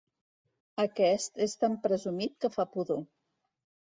Aquest és tan presumit que fa pudor.